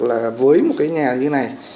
là với một cái nhà như này